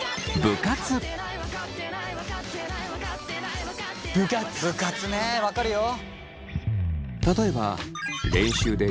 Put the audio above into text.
部活ね分かるよ。